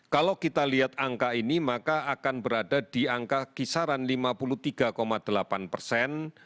kalau kita lihat angka ini maka akan berada di angka kisaran lima puluh tiga delapan persen